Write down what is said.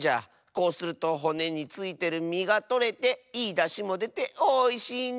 こうするとほねについてるみがとれていいだしもでておいしいんじゃよ。